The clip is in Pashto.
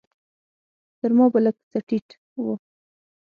تر ما به لږ څه ټيټ و.